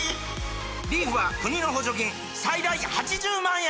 リーフは国の補助金最大８０万円！